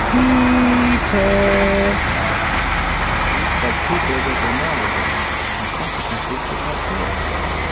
P e e e e e e ter!" But Peter was a mile away, and consequently could not hear.